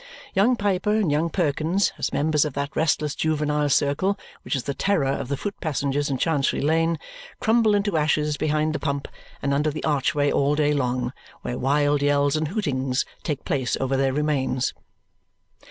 Young Piper and young Perkins, as members of that restless juvenile circle which is the terror of the foot passengers in Chancery Lane, crumble into ashes behind the pump and under the archway all day long, where wild yells and hootings take place over their remains.